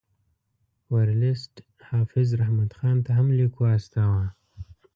ورلسټ حافظ رحمت خان ته هم لیک واستاوه.